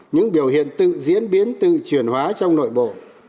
những biểu hiện tự diễn biến tự chuyển hóa trong nội bộ